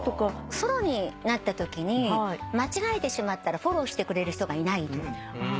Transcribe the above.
ソロになったときに間違えてしまったらフォローしてくれる人がいないと。